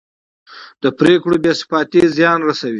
د پرېکړو بې ثباتي زیان رسوي